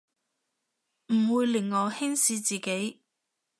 唔會令我輕視自己